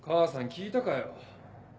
聞いたかよ？